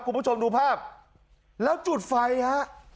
คุณผู้ชมดูภาพแล้วจุดไฟฮะ